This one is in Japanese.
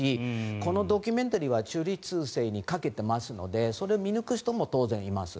このドキュメンタリーは中立性に欠けてますのでそれを見抜く人も当然います。